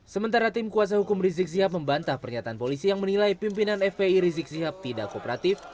sementara tim kuasa hukum rizik sihab membantah pernyataan polisi yang menilai pimpinan fpi rizik sihab tidak kooperatif